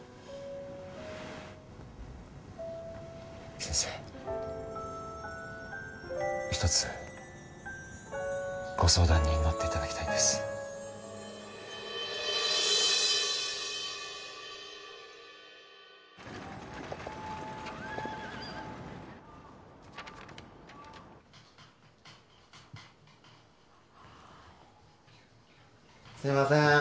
先生ひとつご相談に乗っていただきたいんですすいません